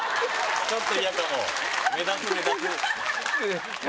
ちょっと嫌かも目立つ目立つ。